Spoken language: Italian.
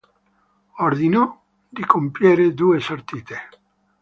Ordinò di compiere due sortite.